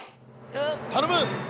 頼む！